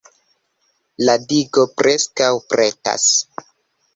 La digo preskaŭ pretas.